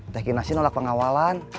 teh kinasi nolak pengawalan